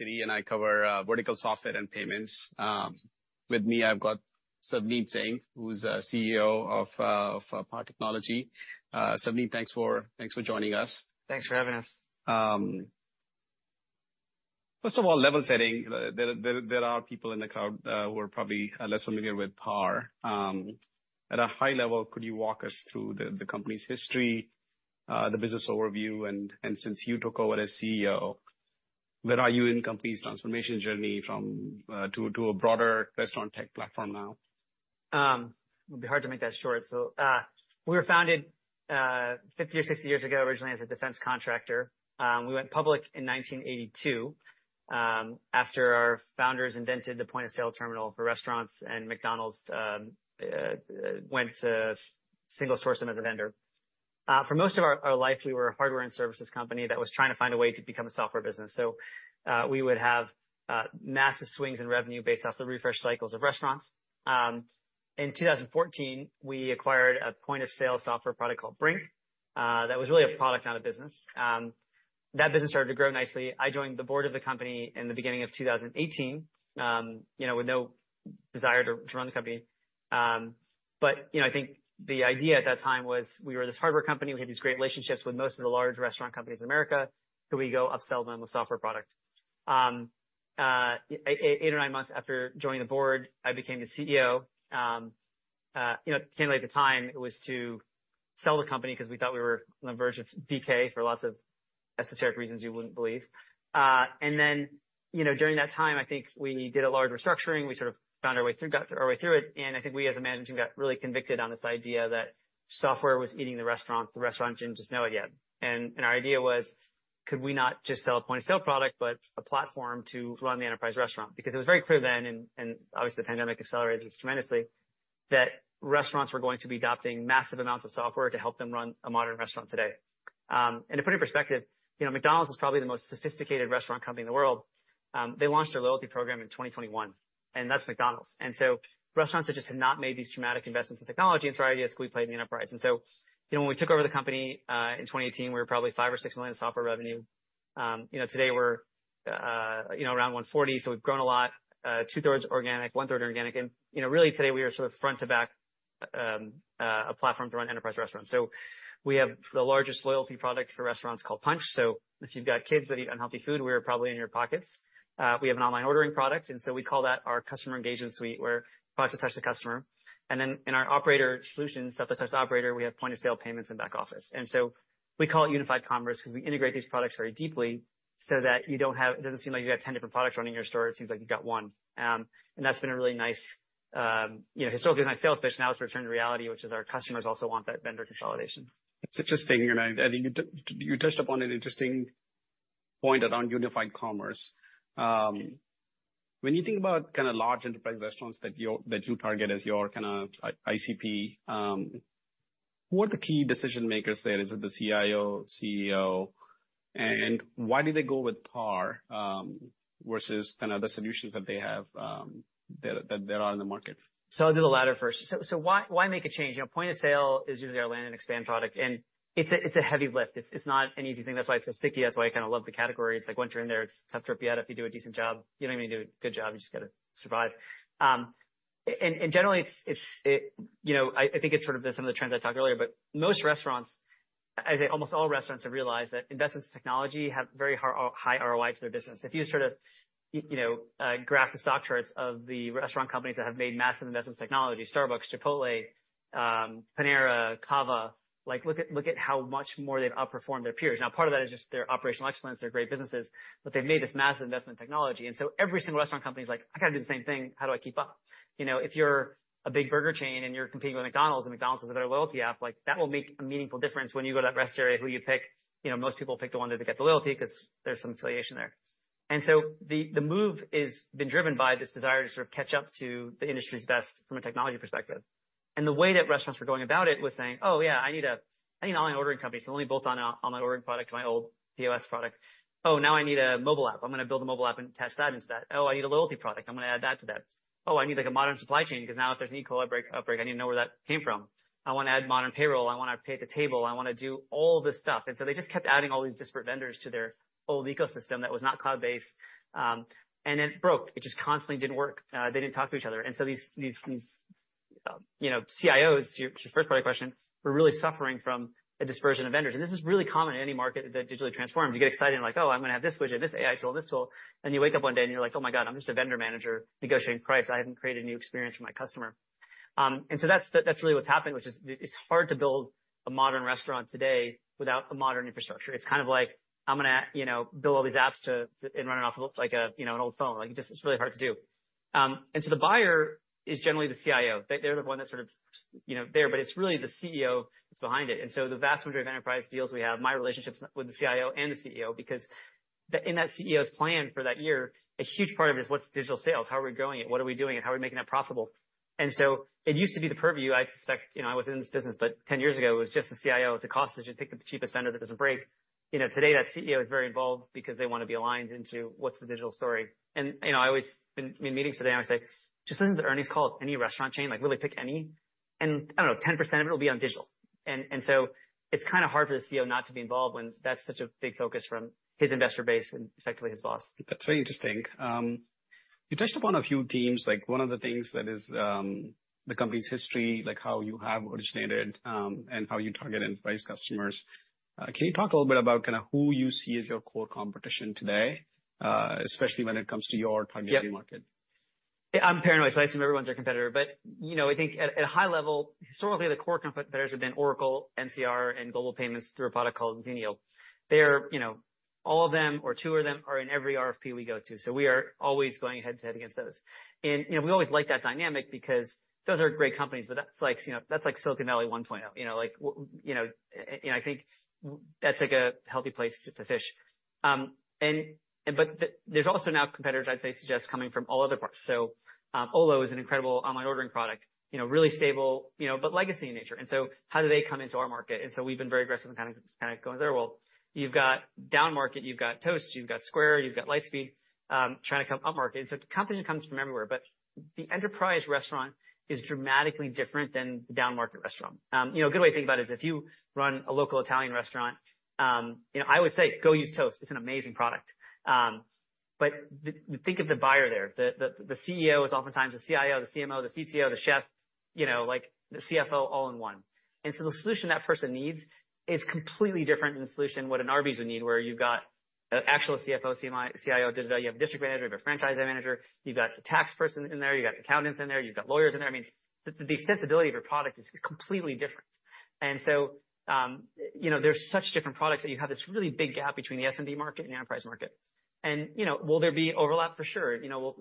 Citi and I cover vertical software and payments. With me I've got Savneet Singh, who's CEO of PAR Technology. Savneet, thanks for thanks for joining us. Thanks for having us. First of all, level setting. You know, there are people in the crowd who are probably less familiar with PAR. At a high level, could you walk us through the company's history, the business overview, and since you took over as CEO, where are you in the company's transformation journey from to a broader restaurant tech platform now? It'll be hard to make that short. So, we were founded 50 or 60 years ago originally as a defense contractor. We went public in 1982, after our founders invented the point-of-sale terminal for restaurants and McDonald's went to single-source them as a vendor. For most of our, our life, we were a hardware and services company that was trying to find a way to become a software business. So, we would have massive swings in revenue based off the refresh cycles of restaurants. In 2014, we acquired a point-of-sale software product called Brink, that was really a product not a business. That business started to grow nicely. I joined the board of the company in the beginning of 2018, you know, with no desire to, to run the company. But, you know, I think the idea at that time was we were this hardware company. We had these great relationships with most of the large restaurant companies in America. Could we go upsell them a software product? Eight or nine months after joining the board, I became the CEO. You know, candidly at the time, it was to sell the company 'cause we thought we were on the verge of BK for lots of esoteric reasons you wouldn't believe. Then, you know, during that time, I think we did a large restructuring. We sort of found our way through got our way through it. And I think we as a management team got really convicted on this idea that software was eating the restaurant the restaurant didn't just know it yet. And our idea was, could we not just sell a point-of-sale product but a platform to run the enterprise restaurant? Because it was very clear then and obviously the pandemic accelerated this tremendously that restaurants were going to be adopting massive amounts of software to help them run a modern restaurant today. To put it in perspective, you know, McDonald's is probably the most sophisticated restaurant company in the world. They launched their loyalty program in 2021, and that's McDonald's. So restaurants that just had not made these dramatic investments in technology and so our idea is could we play in the enterprise? So, you know, when we took over the company in 2018, we were probably $5 million or $6 million in software revenue. You know, today we're, you know, around $140 million. So we've grown a lot. Two-thirds organic, 1/3 inorganic. And, you know, really today we are sort of front-to-back platform to run enterprise restaurants. So we have the largest loyalty product for restaurants called Punchh. So if you've got kids that eat unhealthy food, we are probably in your pockets. We have an online ordering product. And so we call that our customer engagement suite where products that touch the customer. And then in our Operator Solutions, stuff that touches the operator, we have point-of-sale payments and back office. And so we call it Unified Commerce 'cause we integrate these products very deeply so that you don't have it doesn't seem like you've got 10 different products running in your store. It seems like you've got one. And that's been a really nice, you know, historically a nice sales pitch. Now it's returned to reality, which is our customers also want that vendor consolidation. That's interesting. You know, I think you touched upon an interesting point around Unified Commerce. When you think about kinda large enterprise restaurants that you target as your kinda ICP, who are the key decision-makers there? Is it the CIO, CEO? And why do they go with PAR, versus kinda the solutions that they have, that there are in the market? So I'll do the latter first. So why make a change? You know, point-of-sale is usually our land and expand product. And it's a heavy lift. It's not an easy thing. That's why it's so sticky. That's why I kinda love the category. It's like once you're in there, it's tough to rip you out if you do a decent job. You don't even need to do a good job. You just gotta survive. And generally it's, you know, I think it's sort of some of the trends I talked earlier. But most restaurants I'd say almost all restaurants have realized that investments in technology have very high ROI to their business. If you sort of, you know, graph the stock charts of the restaurant companies that have made massive investments in technology—Starbucks, Chipotle, Panera, Cava—like, look at look at how much more they've outperformed their peers. Now, part of that is just their operational excellence. They're great businesses. But they've made this massive investment in technology. And so every single restaurant company's like, "I gotta do the same thing. How do I keep up?" You know, if you're a big burger chain and you're competing with McDonald's and McDonald's has a better loyalty app, like, that will make a meaningful difference when you go to that rest area who you pick. You know, most people pick the one that they get the loyalty 'cause there's some affiliation there. So the move has been driven by this desire to sort of catch up to the industry's best from a technology perspective. The way that restaurants were going about it was saying, "Oh, yeah. I need an online ordering company. So let me bolt on an online ordering product to my old POS product. Oh, now I need a mobile app. I'm gonna build a mobile app and attach that into that. Oh, I need a loyalty product. I'm gonna add that to that. Oh, I need, like, a modern supply chain 'cause now if there's an E. coli outbreak, I need to know where that came from. I wanna add modern payroll. I wanna pay at the table. I wanna do all this stuff." So they just kept adding all these disparate vendors to their old ecosystem that was not cloud-based. And it broke. It just constantly didn't work. They didn't talk to each other. And so these, you know, CIOs, your first part of your question, were really suffering from a dispersion of vendors. And this is really common in any market that digitally transforms. You get excited and like, "Oh, I'm gonna have this widget, this AI tool, and this tool." And you wake up one day and you're like, "Oh my God. I'm just a vendor manager negotiating price. I haven't created a new experience for my customer." And so that's really what's happened, which is it's hard to build a modern restaurant today without a modern infrastructure. It's kind of like, "I'm gonna, you know, build all these apps to and run it off of a like a, you know, an old phone." Like, it just it's really hard to do. So the buyer is generally the CIO. They, they're the one that sort of, you know, there. But it's really the CEO that's behind it. So the vast majority of enterprise deals we have, my relationships with the CIO and the CEO because in that CEO's plan for that year, a huge part of it is what's digital sales? How are we growing it? What are we doing it? How are we making it profitable? So it used to be the purview, I suspect you know, I wasn't in this business, but 10 years ago, it was just the CIO. It's a cost decision. Pick the cheapest vendor that doesn't break. You know, today that CEO is very involved because they wanna be aligned into what's the digital story. You know, I always, in meetings today, I always say, "Just listen to the earnings call of any restaurant chain. Like, really pick any. And I don't know. 10% of it will be on digital." And so it's kinda hard for the CEO not to be involved when that's such a big focus from his investor base and effectively his boss. That's very interesting. You touched upon a few themes. Like, one of the things that is, the company's history, like how you have originated, and how you target enterprise customers. Can you talk a little bit about kinda who you see as your core competition today, especially when it comes to your targeting market? Yeah. I'm paranoid. So I assume everyone's our competitor. But, you know, I think at a high level, historically, the core competitors have been Oracle, NCR, and Global Payments through a product called Xenial. They're, you know, all of them or two of them are in every RFP we go to. So we are always going head to head against those. And, you know, we always like that dynamic because those are great companies. But that's like, you know, that's like Silicon Valley 1.0. You know, like, and I think that's like a healthy place to fish. But there's also now competitors, I'd say, suggest coming from all other parts. So, Olo is an incredible online ordering product, you know, really stable, you know, but legacy in nature. And so how do they come into our market? And so we've been very aggressive in kinda going through their world. You've got downmarket. You've got Toast. You've got Square. You've got Lightspeed, trying to come upmarket. And so competition comes from everywhere. But the enterprise restaurant is dramatically different than the downmarket restaurant. You know, a good way to think about it is if you run a local Italian restaurant, you know, I would say, "Go use Toast. It's an amazing product." But the CEO is oftentimes the CIO, the CMO, the CTO, the chef, you know, like, the CFO all in one. And so the solution that person needs is completely different than the solution what an Arby's would need where you've got an actual CFO, CMO, CIO, digital. You have a district manager. You have a franchise manager. You've got a tax person in there. You've got accountants in there. You've got lawyers in there. I mean, the extensibility of your product is completely different. And so, you know, there's such different products that you have this really big gap between the SMB market and the enterprise market. And, you know, will there be overlap? For sure. You know,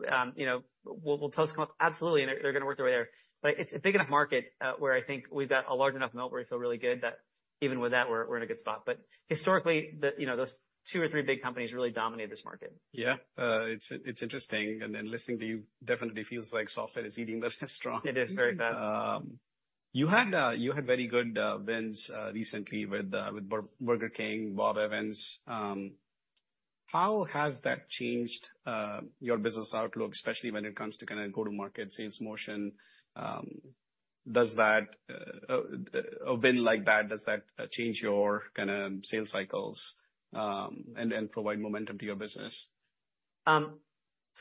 will Toast come up? Absolutely. And they're gonna work their way there. But it's a big enough market, where I think we've got a large enough moat where we feel really good that even with that, we're in a good spot. But historically, you know, those two or three big companies really dominated this market. Yeah. It's, it's interesting. And then listening to you definitely feels like software is eating the restaurant. It is very fast. You had very good wins recently with Burger King, Bob Evans. How has that changed your business outlook, especially when it comes to kinda go-to-market sales motion? Does a win like that change your kinda sales cycles and provide momentum to your business? So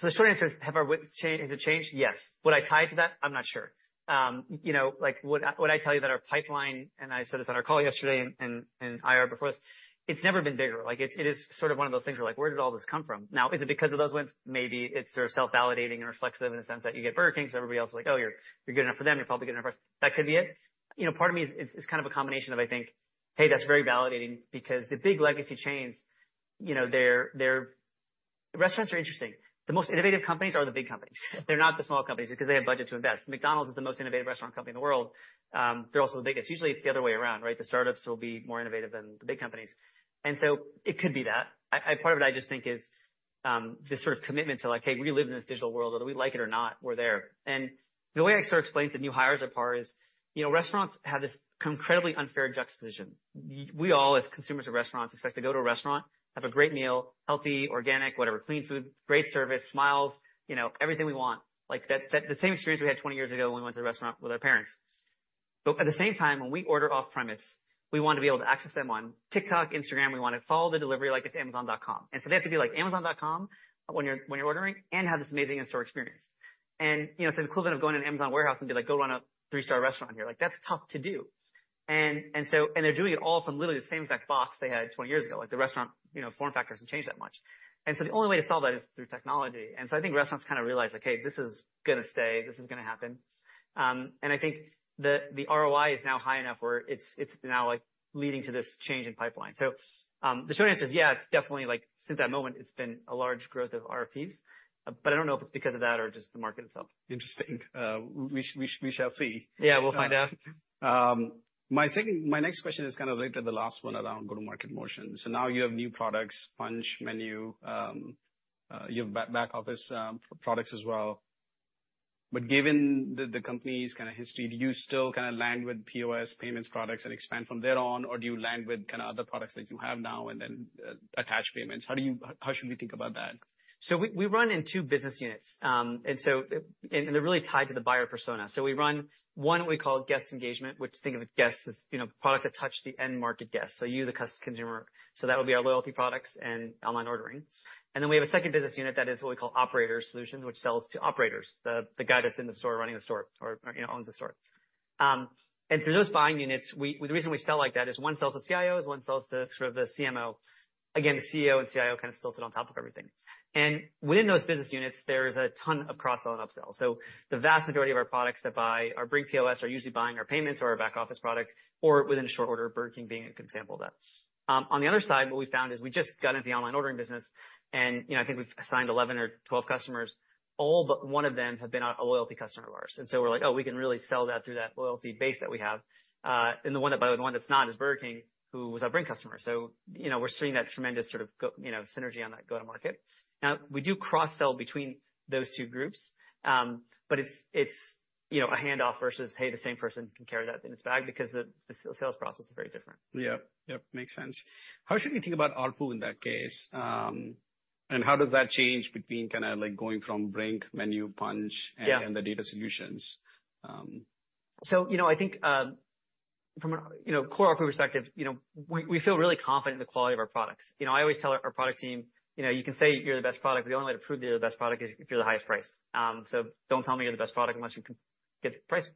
the short answer is, have our wins changed? Has it changed? Yes. Would I tie it to that? I'm not sure. You know, like, would I tell you that our pipeline and I said this on our call yesterday and IR before this, it's never been bigger. Like, it's one of those things where we're like, "Where did all this come from?" Now, is it because of those wins? Maybe. It's sort of self-validating and reflexive in the sense that you get Burger King 'cause everybody else is like, "Oh, you're good enough for them. You're probably good enough for us." That could be it. You know, part of me is kind of a combination of, I think, "Hey, that's very validating because the big legacy chains, you know, their restaurants are interesting. The most innovative companies are the big companies. They're not the small companies because they have budget to invest. McDonald's is the most innovative restaurant company in the world. "They're also the biggest." Usually, it's the other way around, right? The startups will be more innovative than the big companies. And so it could be that. I, I part of it, I just think is, this sort of commitment to like, "Hey, we live in this digital world. Whether we like it or not, we're there." And the way I sort of explain to new hires at PAR is, you know, restaurants have this incredibly unfair juxtaposition. Yeah, we all, as consumers of restaurants, expect to go to a restaurant, have a great meal, healthy, organic, whatever, clean food, great service, smiles, you know, everything we want. Like, that's the same experience we had 20 years ago when we went to the restaurant with our parents. But at the same time, when we order off-premise, we wanna be able to access them on TikTok, Instagram. We wanna follow the delivery like it's Amazon.com. And so they have to be like Amazon.com when you're ordering and have this amazing in-store experience. And, you know, it's the equivalent of going in an Amazon warehouse and be like, "Go run a three-star restaurant here." Like, that's tough to do. And so they're doing it all from literally the same exact box they had 20 years ago. Like, the restaurant, you know, form factor hasn't changed that much. And so the only way to solve that is through technology. And so I think restaurants kinda realize like, "Hey, this is gonna stay. “This is gonna happen,” and I think the ROI is now high enough where it's now, like, leading to this change in pipeline. So, the short answer is, yeah. It's definitely like since that moment, it's been a large growth of RFPs. But I don't know if it's because of that or just the market itself. Interesting. We shall see. Yeah. We'll find out. My next question is kinda related to the last one around go-to-market motion. So now you have new products—Punchh, MENU—you have back office products as well. But given the company's kinda history, do you still kinda land with POS payments products and expand from there on? Or do you land with kinda other products that you have now and then attach payments? How should we think about that? So we run in two business units, and they're really tied to the buyer persona. So we run one what we call Guest Engagement, which think of it guests as, you know, products that touch the end-market guest, so you, the consumer, so that would be our loyalty products and online ordering. And then we have a second business unit that is what we call Operator Solutions, which sells to operators, the guy that's in the store running the store or, you know, owns the store. And through those buying units, we the reason we sell like that is one sells to CIOs. One sells to sort of the CMO. Again, the CEO and CIO kinda still sit on top of everything. And within those business units, there is a ton of cross-sell and upsell. So the vast majority of our products that buy or bring POS are usually buying our payments or our back-office product or within a short order. Burger King being a good example of that. On the other side, what we found is we just got into the online ordering business. And, you know, I think we've assigned 11 or 12 customers. All but one of them have been a loyalty customer of ours. And so we're like, "Oh, we can really sell that through that loyalty base that we have." And the one that by the way, the one that's not is Burger King who was our brand customer. So, you know, we're seeing that tremendous sort of go, you know, synergy on that go-to-market. Now, we do cross-sell between those two groups but it's, you know, a handoff versus, "Hey, the same person can carry that in its bag," because the sales process is very different. Yep. Yep. Makes sense. How should we think about ARPU in that case, and how does that change between, kinda, like, going from Brink, MENU, Punchh, and the data solutions? So, you know, I think, from an, you know, core ALPU perspective, you know, we, we feel really confident in the quality of our products. You know, I always tell our, our product team, you know, "You can say you're the best product, but the only way to prove that you're the best product is if you're the highest price." So don't tell me you're the best product unless you can get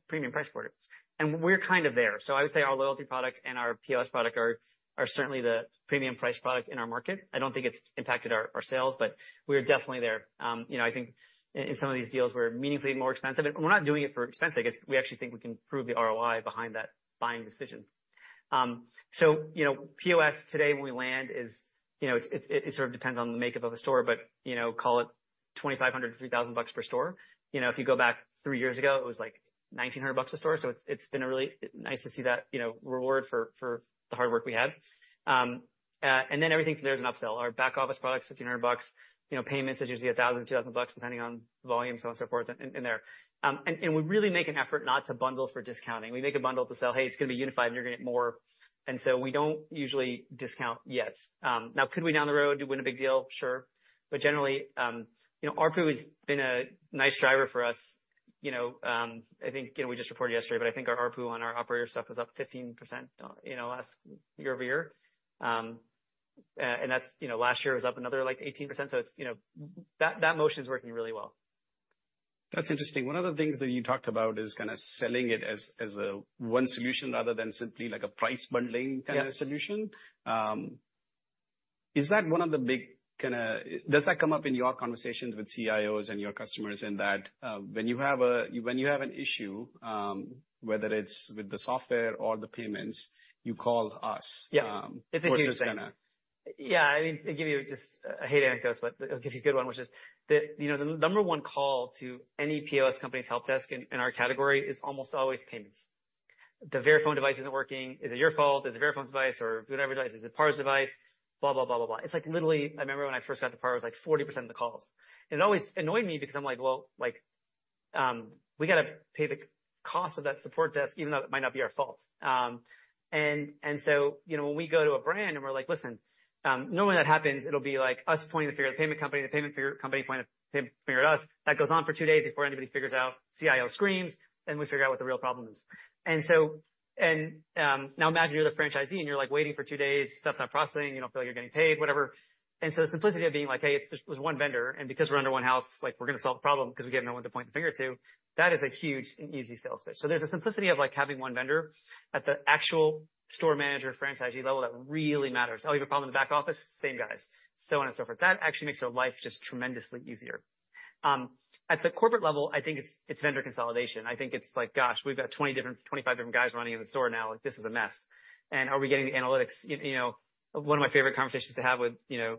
premium price for it. And we're kind of there. So I would say our loyalty product and our POS product are, are certainly the premium-priced product in our market. I don't think it's impacted our, our sales. But we are definitely there. You know, I think in, in some of these deals, we're meaningfully more expensive. And we're not doing it for expense. I guess we actually think we can prove the ROI behind that buying decision. So, you know, POS today, when we land, is, you know, it's sort of depends on the makeup of the store. But, you know, call it $2,500-$3,000 per store. You know, if you go back three years ago, it was like $1,900 a store. So it's been a really nice to see that, you know, reward for the hard work we had. And then everything from there is an upsell. Our Back Office products, $1,500. You know, payments is usually $1,000-$2,000 depending on volume, so on and so forth in there. And we really make an effort not to bundle for discounting. We make a bundle to sell, "Hey, it's gonna be unified, and you're gonna get more." And so we don't usually discount yet. Now, could we down the road win a big deal? Sure. But generally, you know, ARPU has been a nice driver for us. You know, I think, you know, we just reported yesterday. But I think our ARPU on our operator stuff was up 15% year-over-year, you know. And that's, you know, last year was up another, like, 18%. So it's, you know, that, that motion is working really well. That's interesting. One of the things that you talked about is kinda selling it as, as a one solution rather than simply, like, a price bundling kinda solution. Is that one of the big kinda does that come up in your conversations with CIOs and your customers in that, when you have a when you have an issue, whether it's with the software or the payments, you call us? Yeah. It's a huge thing. Which is kinda— Yeah. I mean, it give you just a—I hate anecdotes, but I'll give you a good one, which is that, you know, the number one call to any POS company's help desk in, in our category is almost always payments. "The Verifone device isn't working. Is it your fault? Is it Verifone's device or whatever device? Is it PAR's device? Blah, blah, blah, blah, blah, blah." It's like literally I remember when I first got to PAR, it was like 40% of the calls. And it always annoyed me because I'm like, "Well, like, we gotta pay the cost of that support desk even though it might not be our fault," and so, you know, when we go to a brand and we're like, "Listen," normally when that happens, it'll be like us pointing the finger at the payment company, the payment finger company pointing the payment finger at us. That goes on for two days before anybody figures out. CIO screams, and we figure out what the real problem is. And so and, now imagine you're the franchisee, and you're, like, waiting for two days. Stuff's not processing. You don't feel like you're getting paid, whatever. And so the simplicity of being like, "Hey, it's just there's one vendor. And because we're under one house, like, we're gonna solve the problem 'cause we get no one to point the finger to," that is a huge and easy sales pitch. So there's a simplicity of, like, having one vendor at the actual store manager franchisee level that really matters. "Oh, you have a problem in the Back Office? Same guys." So on and so forth. That actually makes their life just tremendously easier. At the corporate level, I think it's, it's vendor consolidation. I think it's like, "Gosh, we've got 20 different 25 different guys running in the store now. Like, this is a mess. And are we getting the analytics?" You know, one of my favorite conversations to have with, you know,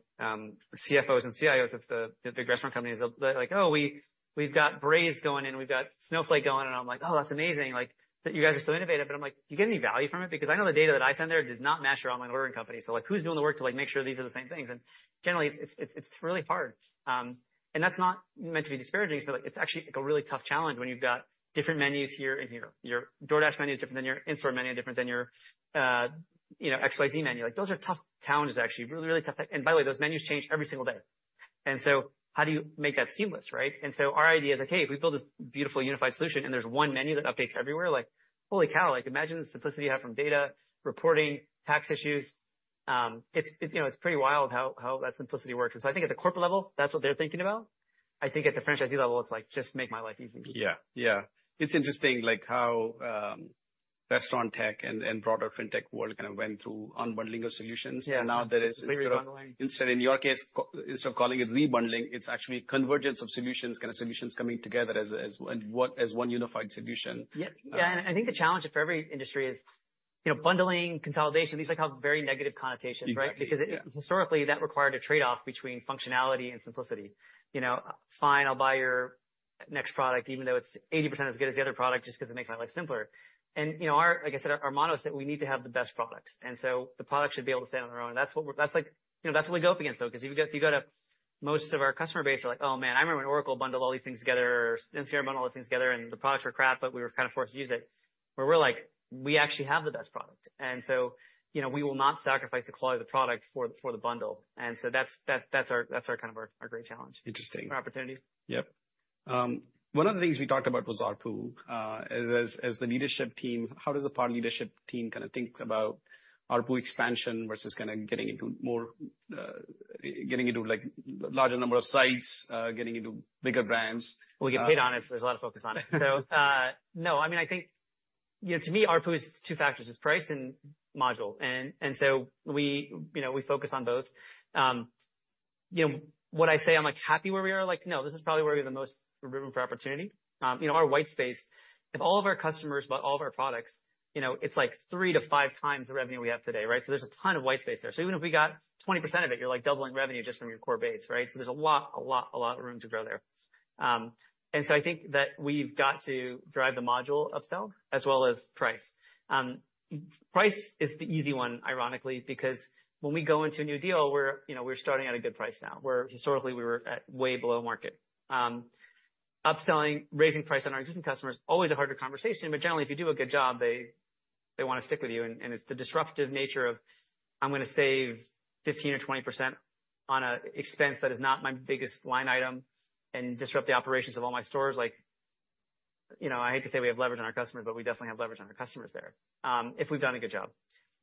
CFOs and CIOs of the big restaurant companies is, like, "Oh, we've got Braze going in. We've got Snowflake going." And I'm like, "Oh, that's amazing. Like, that you guys are so innovative." But I'm like, "Do you get any value from it? Because I know the data that I send there does not match your online ordering company. So, like, who's doing the work to, like, make sure these are the same things?" And generally, it's really hard. And that's not meant to be disparaging, but, like, it's actually, like, a really tough challenge when you've got different menus here and here. Your DoorDash menu is different than your in-store menu is different than your, you know, XYZ menu. Like, those are tough challenges, actually, really, really tough. And by the way, those menus change every single day. And so how do you make that seamless, right? And so our idea is like, "Hey, if we build this beautiful unified solution, and there's one menu that updates everywhere, like, holy cow, like, imagine the simplicity you have from data, reporting, tax issues." It's, it's you know, it's pretty wild how, how that simplicity works. And so I think at the corporate level, that's what they're thinking about. I think at the franchisee level, it's like, "Just make my life easy." Yeah. Yeah. It's interesting, like, how restaurant tech and broader fintech world kinda went through unbundling of solutions. And now there is sort of— Yeah. Re-bundling. Instead, in your case, so instead of calling it re-bundling, it's actually convergence of solutions, kinda solutions coming together as one unified solution. Yep. Yeah. And I think the challenge of every industry is, you know, bundling, consolidation, these like have very negative connotations, right? Exactly. Because it historically, that required a trade-off between functionality and simplicity. You know, fine, I'll buy your next product even though it's 80% as good as the other product just 'cause it makes my life simpler. And, you know, our like I said, our motto is that we need to have the best products. And so the product should be able to stand on their own. And that's what we're that's like you know, that's what we go up against, though, 'cause if you go if you go to most of our customer base are like, "Oh, man. I remember when Oracle bundled all these things together or CRM bundled all these things together, and the products were crap, but we were kinda forced to use it," where we're like, "We actually have the best product. And so, you know, we will not sacrifice the quality of the product for the bundle. And so that's our kind of great challenge. Interesting. Our opportunity. Yep. One of the things we talked about was ARPU. As, as the leadership team, how does the PAR leadership team kinda think about ARPU expansion versus kinda getting into more, getting into, like, larger number of sites, getting into bigger brands? We get paid on it. There's a lot of focus on it. So, no. I mean, I think, you know, to me, ARPU is two factors. It's price and module. And, and so we, you know, we focus on both. You know, what I say, I'm like, "Happy where we are?" Like, "No. This is probably where we have the most room for opportunity." You know, our white space, if all of our customers bought all of our products, you know, it's like 3x-5x the revenue we have today, right? So there's a ton of white space there. So even if we got 20% of it, you're like doubling revenue just from your core base, right? So there's a lot, a lot, a lot of room to grow there. And so I think that we've got to drive the module upsell as well as price. Price is the easy one, ironically, because when we go into a new deal, we're you know, we're starting at a good price now, where historically, we were at way below market. Upselling, raising price on our existing customers is always a harder conversation. But generally, if you do a good job, they, they wanna stick with you. And, and it's the disruptive nature of, "I'm gonna save 15% or 20% on a expense that is not my biggest line item and disrupt the operations of all my stores." Like, you know, I hate to say we have leverage on our customers, but we definitely have leverage on our customers there, if we've done a good job.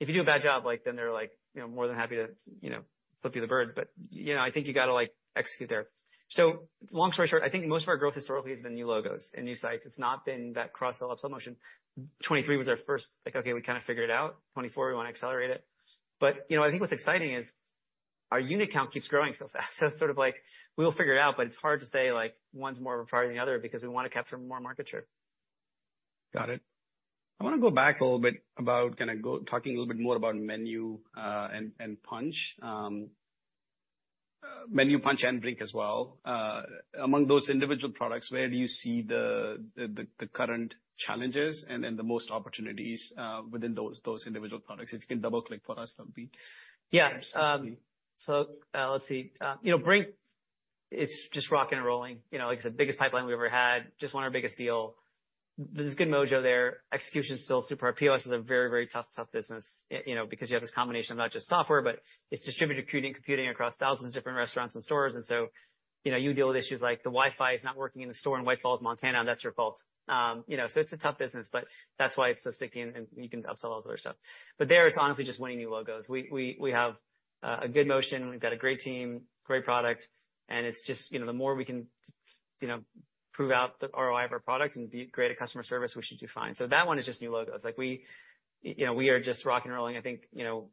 If you do a bad job, like, then they're like, you know, more than happy to, you know, flip you the bird. But, you know, I think you gotta, like, execute there. So long story short, I think most of our growth historically has been new logos and new sites. It's not been that cross-sell upsell motion. 2023 was our first like, "Okay. We kinda figured it out. 2024, we wanna accelerate it." But, you know, I think what's exciting is our unit count keeps growing so fast. So it's sort of like, "We'll figure it out," but it's hard to say, like, one's more of a priority than the other because we wanna capture more market share. Got it. I wanna go back a little bit about kinda talking a little bit more about MENU, and Punchh, and Brink as well. Among those individual products, where do you see the current challenges and the most opportunities, within those individual products? If you can double-click for us, that would be interesting. Yeah. So, let's see. You know, Brink is just rocking and rolling. You know, like I said, biggest pipeline we've ever had. Just one of our biggest deal. There's good mojo there. Execution is still super. Our POS is a very, very tough, tough business, you know, because you have this combination of not just software, but it's distributed computing across thousands of different restaurants and stores. And so, you know, you deal with issues like, "The Wi-Fi is not working in the store, and Whitefish in Montana. That's your fault." You know, so it's a tough business. But that's why it's so sticky, and, and you can upsell all this other stuff. But there, it's honestly just winning new logos. We have a good motion. We've got a great team, great product. It's just, you know, the more we can, you know, prove out the ROI of our product and be great at customer service, we should do fine. So that one is just new logos. Like, we, you know, we are just rocking and rolling. I think, you know,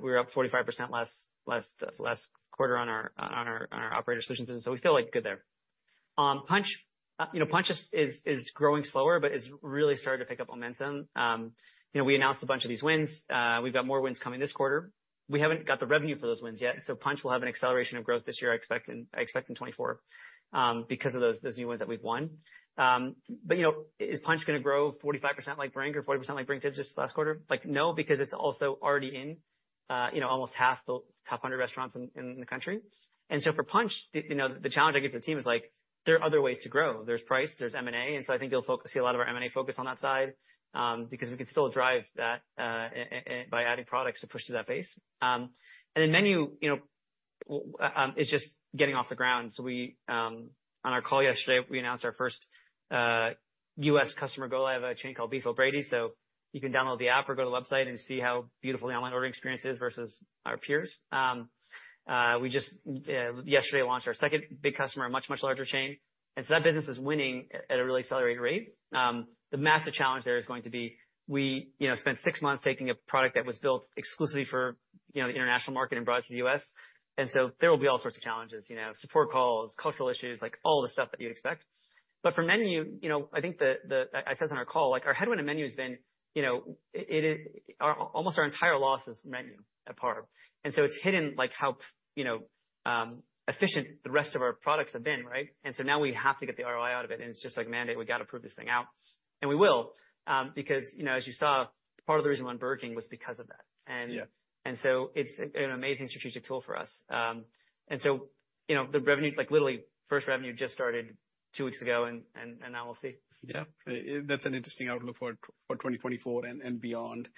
we're up 45% last quarter on our Operator Solutions business. So we feel good there. Punchh, you know, Punchh is growing slower but has really started to pick up momentum. You know, we announced a bunch of these wins. We've got more wins coming this quarter. We haven't got the revenue for those wins yet. So Punchh will have an acceleration of growth this year. I expect in 2024, because of those new wins that we've won. You know, is Punchh gonna grow 45% like Brink or 40% like Brink did just last quarter? Like, no, because it's also already in, you know, almost half the top 100 restaurants in the country. And so for Punchh, you know, the challenge I give to the team is like, "There are other ways to grow. There's price. There's M&A." And so I think you'll see a lot of our M&A focus on that side, because we can still drive that, and by adding products to Punchh to that base. And then MENU, you know, is just getting off the ground. So we, on our call yesterday, we announced our first U.S. customer go-live. A chain called Beef 'O' Brady's. So you can download the app or go to the website and see how beautiful the online ordering experience is versus our peers. We just, yesterday, launched our second big customer, a much, much larger chain. And so that business is winning at a really accelerated rate. The massive challenge there is going to be we, you know, spent six months taking a product that was built exclusively for, you know, the international market and brought it to the U.S. And so there will be all sorts of challenges, you know, support calls, cultural issues, like, all the stuff that you'd expect. But for MENU, you know, I think the, the I said this on our call. Like, our headwind in MENU has been, you know, it, it is our almost our entire loss is MENU at PAR. And so it's hidden, like, how, you know, efficient the rest of our products have been, right? And so now we have to get the ROI out of it. And it's just like, "Man, dude. We gotta prove this thing out." We will, because, you know, as you saw, part of the reason we went Burger King was because of that. And. Yeah. So it's an amazing strategic tool for us. And so, you know, the revenue like, literally, first revenue just started two weeks ago. And now we'll see. Yeah. That's an interesting outlook for 2024 and beyond.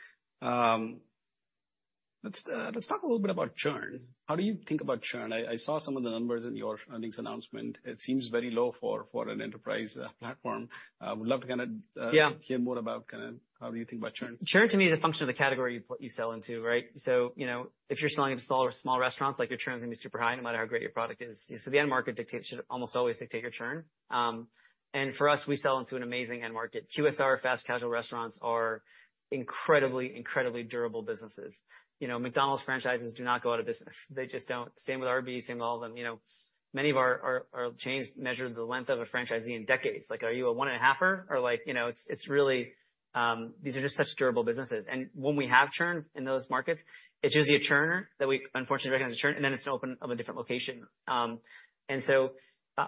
Let's talk a little bit about churn. How do you think about churn? I saw some of the numbers in your earnings announcement. It seems very low for an enterprise platform. Would love to kinda, Yeah. Hear more about kinda how do you think about churn? Churn to me is a function of the category you sell into, right? So, you know, if you're selling into small restaurants, like, your churn is gonna be super high no matter how great your product is. So the end market dictates should almost always dictate your churn. And for us, we sell into an amazing end market. QSR, fast casual restaurants, are incredibly, incredibly durable businesses. You know, McDonald's franchises do not go out of business. They just don't. Same with Arby's, same with all of them. You know, many of our, our, our chains measure the length of a franchisee in decades. Like, are you a one-and-a-halfer? Or, like, you know, it's, it's really these are just such durable businesses. When we have churn in those markets, it's usually a churner that we, unfortunately, recognize as a churn, and then it's an open of a different location. So,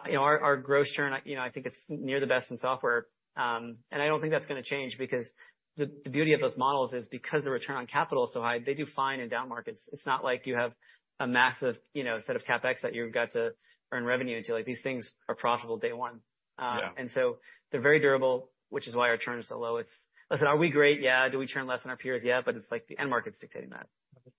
you know, our, our gross churn, I, you know, I think it's near the best in software. And I don't think that's gonna change because the, the beauty of those models is because the return on capital is so high, they do fine in down markets. It's not like you have a massive, you know, set of CapEx that you've got to earn revenue until, like, these things are profitable day one. And so they're very durable, which is why our churn is so low. It's like I said, are we great? Yeah. Do we churn less than our peers? Yeah. But it's like the end market's dictating that. Got it.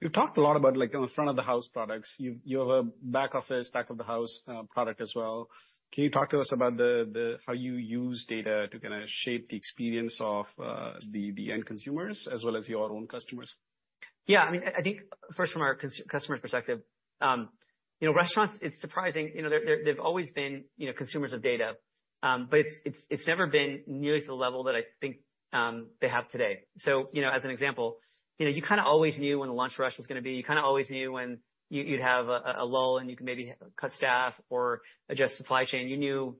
You've talked a lot about, like, on the front-of-the-house products. You, you have a back-office back-of-the-house product as well. Can you talk to us about the, the how you use data to kinda shape the experience of, the, the end consumers as well as your own customers? Yeah. I mean, I think first, from our consumer customer's perspective, you know, restaurants, it's surprising. You know, they've always been, you know, consumers of data. But it's never been nearly to the level that I think they have today. So, you know, as an example, you know, you kinda always knew when the lunch rush was gonna be. You kinda always knew when you'd have a lull, and you can maybe cut staff or adjust supply chain. You knew,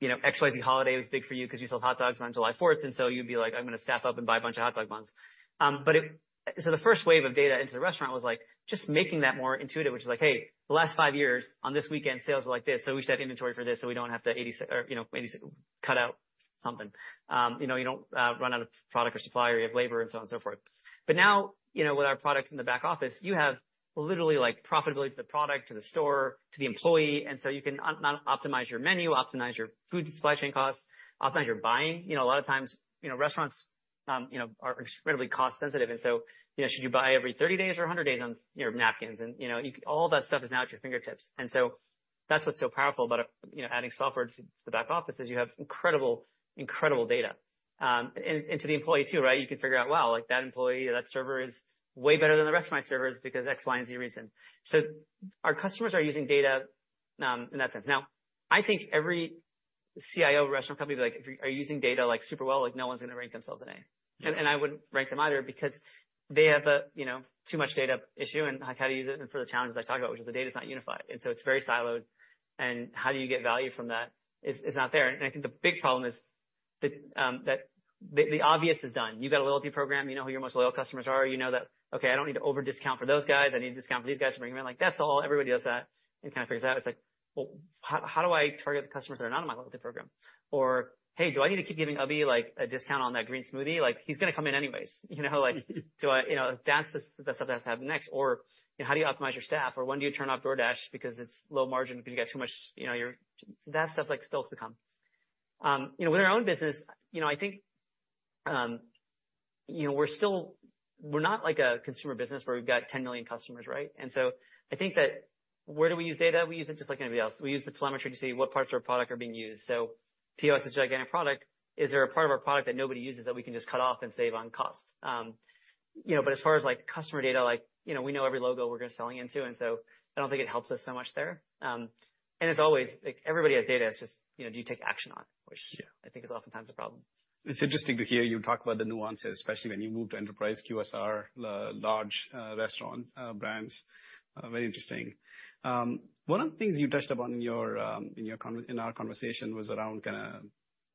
you know, XYZ holiday was big for you 'cause you sold hot dogs on July 4th. So you'd be like, "I'm gonna staff up and buy a bunch of hot dog buns." But it so the first wave of data into the restaurant was, like, just making that more intuitive, which is like, "Hey, the last five years, on this weekend, sales were like this. So we should have inventory for this so we don't have to 80 or, you know, 80 cut out something." You know, you don't run out of product or supply or you have labor and so on and so forth. But now, you know, with our products in the Back Office, you have literally, like, profitability to the product, to the store, to the employee. And so you can not, not optimize your menu, optimize your food supply chain costs, optimize your buying. You know, a lot of times, you know, restaurants, you know, are incredibly cost-sensitive. You know, should you buy every 30 days or 100 days on, you know, napkins? And, you know, all that stuff is now at your fingertips. And so that's what's so powerful about, you know, adding software to the Back Office is you have incredible data, and to the employee too, right? You can figure out, "Wow, like, that employee, that server is way better than the rest of my servers because X, Y, and Z reason." So our customers are using data in that sense. Now, I think every CIO restaurant company would be like, "If you are using data, like, super well, like, no one's gonna rank themselves an A." And I wouldn't rank them either because they have a, you know, too much data issue and, like, how to use it and for the challenges I talked about, which is the data's not unified. And so it's very siloed. And how do you get value from that is not there. And I think the big problem is that the obvious is done. You got a loyalty program. You know who your most loyal customers are. You know that, "Okay. I don't need to over-discount for those guys. I need to discount for these guys to bring them in." Like, that's all everybody does that and kinda figures it out. It's like, "Well, how, how do I target the customers that are not in my loyalty program?" Or, "Hey, do I need to keep giving Abby, like, a discount on that green smoothie? Like, he's gonna come in anyways." You know, like, "Do I, you know, that's the, the stuff that has to happen next." Or, you know, "How do you optimize your staff?" Or, "When do you turn off DoorDash because it's low margin 'cause you got too much you know, your" that stuff's, like, still to come. You know, with our own business, you know, I think, you know, we're still we're not, like, a consumer business where we've got 10 million customers, right? And so I think that where do we use data? We use it just like anybody else. We use the telemetry to see what parts of our product are being used. So, POS is a gigantic product. Is there a part of our product that nobody uses that we can just cut off and save on cost? You know, but as far as, like, customer data, like, you know, we know every logo we're gonna be selling into. And so I don't think it helps us so much there. And as always, like, everybody has data. It's just, you know, do you take action on it, which I think is oftentimes a problem. It's interesting to hear you talk about the nuances, especially when you move to enterprise QSR, large restaurant brands. Very interesting. One of the things you touched upon in our conversation was around kinda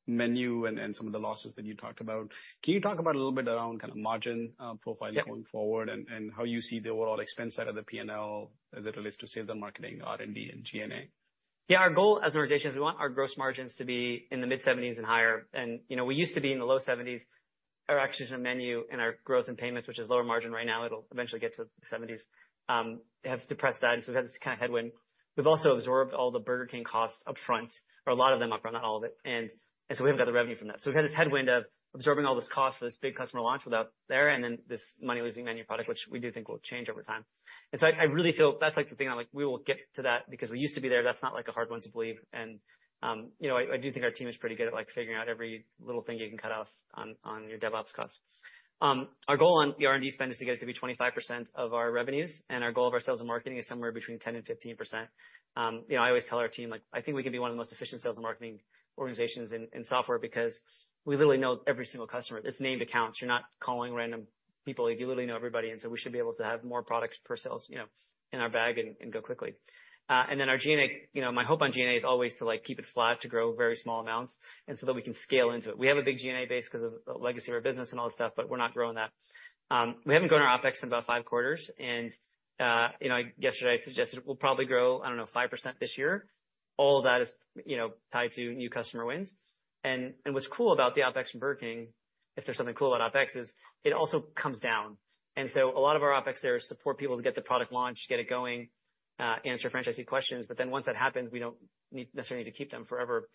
MENU and some of the losses that you talked about. Can you talk a little bit around kinda margin profiling going forward? How you see the overall expense side of the P&L as it relates to sales and marketing, R&D, and G&A? Yeah. Our goal as an organization is we want our gross margins to be in the mid-70s% and higher. And, you know, we used to be in the low 70s% or actually in MENU and our growth and payments, which is lower margin right now. It'll eventually get to the 70s% have depressed that. And so we've had this kinda headwind. We've also absorbed all the Burger King costs upfront or a lot of them upfront, not all of it. And, and so we haven't got the revenue from that. So we've had this headwind of absorbing all this cost for this big customer launch without there and then this money-losing MENU product, which we do think will change over time. And so I, I really feel that's, like, the thing. I'm like, "We will get to that because we used to be there." That's not, like, a hard one to believe. And, you know, I do think our team is pretty good at, like, figuring out every little thing you can cut off on your DevOps cost. Our goal on the R&D spend is to get it to be 25% of our revenues. And our goal of our sales and marketing is somewhere between 10%-15%. You know, I always tell our team, like, "I think we can be one of the most efficient sales and marketing organizations in software because we literally know every single customer. This named accounts. You're not calling random people. You literally know everybody. And so we should be able to have more products per sales, you know, in our bag and, and go quickly. And then our G&A, you know, my hope on G&A is always to, like, keep it flat to grow very small amounts and so that we can scale into it. We have a big G&A base 'cause of the legacy of our business and all this stuff, but we're not growing that. We haven't grown our OpEx in about five quarters. And, you know, yesterday, I suggested we'll probably grow, I don't know, 5% this year. All of that is, you know, tied to new customer wins. And, and what's cool about the OpEx from Burger King, if there's something cool about OpEx, is it also comes down. So a lot of our OpEx there is support people to get the product launched, get it going, answer franchisee questions. But then once that happens, we don't need necessarily to keep them forever,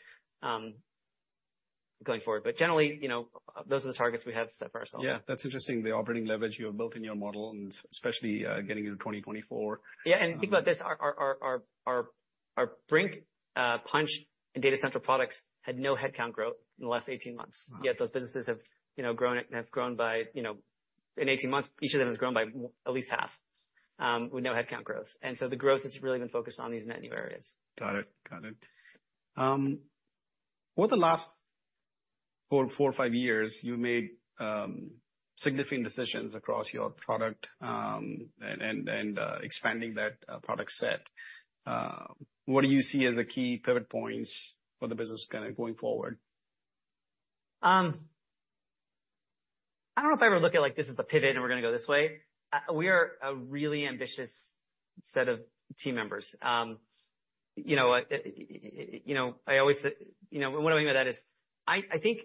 going forward. But generally, you know, those are the targets we have set for ourselves. Yeah. That's interesting, the operating leverage you have built in your model and especially, getting into 2024. Yeah. And think about this. Our Brink, Punchh, and Data Central products had no headcount growth in the last 18 months. Wow. Yet those businesses have, you know, grown and have grown by, you know, in 18 months, each of them has grown by at least half, with no headcount growth. So the growth has really been focused on these net new areas. Got it. Got it. Over the last four to five years, you made significant decisions across your product and expanding that product set. What do you see as the key pivot points for the business kinda going forward? I don't know if I ever look at, like, this is the pivot and we're gonna go this way. We are a really ambitious set of team members. You know, I always, you know, what I mean by that is, I think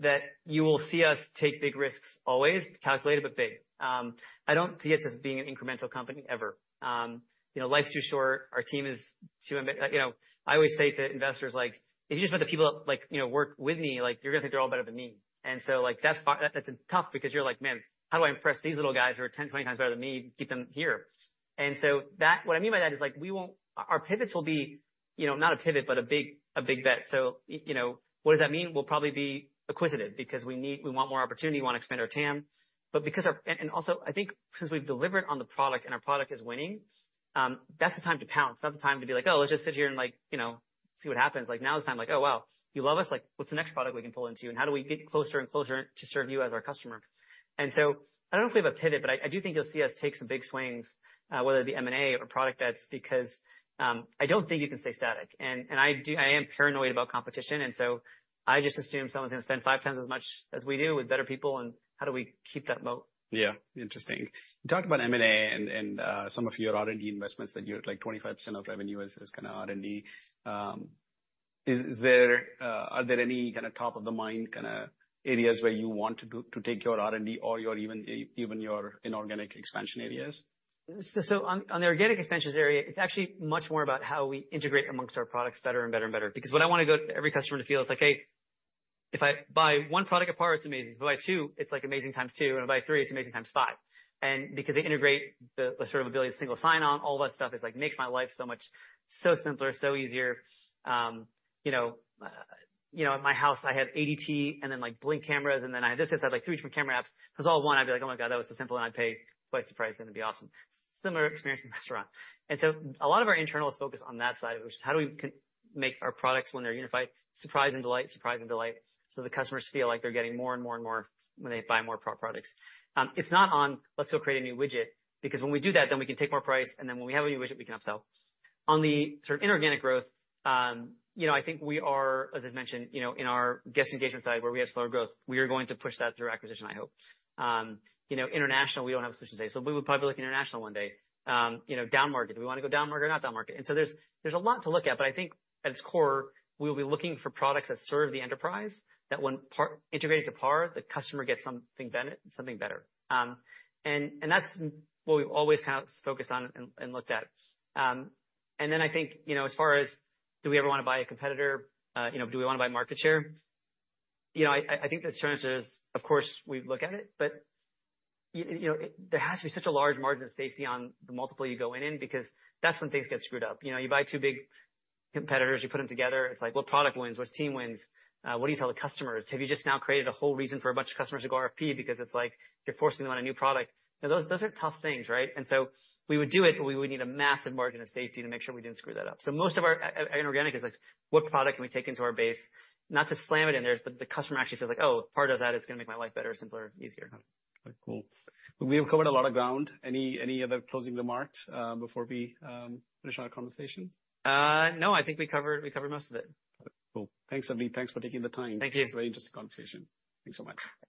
that you will see us take big risks always, calculated but big. I don't see us as being an incremental company ever. You know, life's too short. Our team is too ambitious, you know. I always say to investors, like, "If you just let the people that, like, you know, work with me, like, you're gonna think they're all better than me." And so, like, that's a fact that, that's tough because you're like, "Man, how do I impress these little guys who are 10, 20 times better than me and keep them here?" And so that's what I mean by that is, like, we want our pivots will be, you know, not a pivot but a big, a big bet. So, you know, what does that mean? We'll probably be acquisitive because we need, we want more opportunity. We wanna expand our TAM. But because our and, and also, I think since we've delivered on the product and our product is winning, that's the time to pounce. It's not the time to be like, "Oh, let's just sit here and, like, you know, see what happens." Like, now's the time. Like, "Oh, wow. You love us. Like, what's the next product we can pull into? And how do we get closer and closer to serve you as our customer?" And so I don't know if we have a pivot, but I, I do think you'll see us take some big swings, whether it be M&A or product bets because, I don't think you can stay static. And, and I do I am paranoid about competition. And so I just assume someone's gonna spend five times as much as we do with better people. And how do we keep that moat? Yeah. Interesting. You talked about M&A and some of your R&D investments that you're like 25% of revenue is kinda R&D. Are there any kinda top-of-the-mind kinda areas where you want to take your R&D or even your inorganic expansion areas? So, on the organic expansions area, it's actually much more about how we integrate amongst our products better and better and better. Because what I wanna go to every customer to feel is like, "Hey, if I buy one product apart, it's amazing. If I buy two, it's, like, amazing times two. And if I buy three, it's amazing times five." And because they integrate the, the sort of ability to single sign-on, all that stuff is, like, makes my life so much so simpler, so easier. You know, at my house, I had ADT and then, like, Blink cameras. And then I had this and it's had, like, three different camera apps. If it was all one, I'd be like, "Oh, my God. That was so simple." And I'd pay twice the price. It'd be awesome. Similar experience in the restaurant. A lot of our internal is focused on that side, which is how do we can make our products, when they're unified, surprise and delight, surprise and delight so the customers feel like they're getting more and more and more when they buy more products. It's not on, "Let's go create a new widget." Because when we do that, then we can take more price. And then when we have a new widget, we can upsell. On the sort of inorganic growth, you know, I think we are, as I mentioned, you know, in our guest engagement side where we have slower growth, we are going to push that through acquisition, I hope. You know, international, we don't have a solution today. So we would probably look international one day. You know, downmarket. Do we wanna go downmarket or not downmarket? So there's a lot to look at. But I think at its core, we'll be looking for products that serve the enterprise that when PAR integrated to PAR, the customer gets something better something better. And that's what we've always kinda focused on and looked at. And then I think, you know, as far as do we ever wanna buy a competitor? You know, do we wanna buy market share? You know, I think the answer is, of course, we look at it. But you know, there has to be such a large margin of safety on the multiple you go in because that's when things get screwed up. You know, you buy two big competitors. You put them together. It's like, "What product wins? What team wins? What do you tell the customers? Have you just now created a whole reason for a bunch of customers to go RFP because it's, like, you're forcing them on a new product?" You know, those are tough things, right? And so we would do it, but we would need a massive margin of safety to make sure we didn't screw that up. So most of our inorganic is, like, "What product can we take into our base?" Not to slam it in there, but the customer actually feels like, "Oh, if PAR does that, it's gonna make my life better, simpler, easier. Got it. Got it. Cool. We have covered a lot of ground. Any, any other closing remarks, before we, finish our conversation? No. I think we covered most of it. Got it. Cool. Thanks, Savneet. Thanks for taking the time. Thank you. It was a very interesting conversation. Thanks so much.